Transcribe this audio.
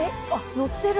乗ってる。